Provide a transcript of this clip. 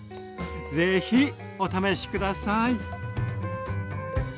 是非お試し下さい。